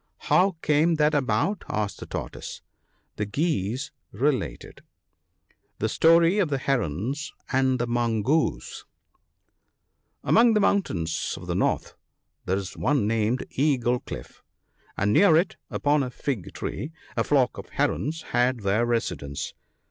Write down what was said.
" How came that about ?" asked the Tortoise. The Geese related :— &ge J>torn of tfje l^crono anb tfje iEongoc^c* (") ^^^^MONG the mountains of the north there is one named Eagle cliff, and near it, upon a fig tree, a flock of Herons had their resi dence.